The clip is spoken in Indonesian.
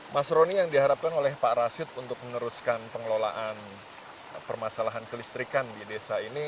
mas roni yang diharapkan oleh pak rashid untuk meneruskan pengelolaan permasalahan kelistrikan di desa ini